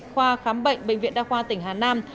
khoa khám bệnh bệnh viện đa khoa tỉnh hà nam